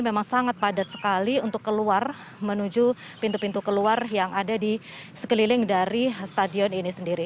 memang sangat padat sekali untuk keluar menuju pintu pintu keluar yang ada di sekeliling dari stadion ini sendiri